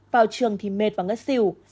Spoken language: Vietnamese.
vào trường thì mệt và ngất xỉu